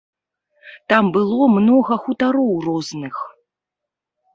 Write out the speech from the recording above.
Там было многа хутароў розных.